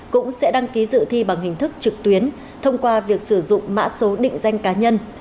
cũng sẽ đăng ký dự thi bằng hình thức trực tuyến thông qua việc sử dụng mã số định danh cá nhân